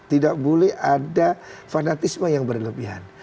tidak boleh ada fanatisme yang berlebihan